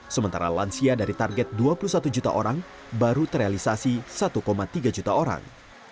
sementara lansia dari target dua puluh satu juta orang baru terrealisasi satu tiga juta orang